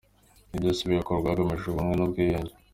Ibi byose bigakorwa hagamijwe ubumwe n’ubwiyunge.